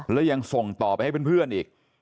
แล้วยังส่งต่อไปให้เพื่อนอีก